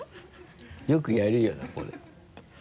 よくやるよなこれ。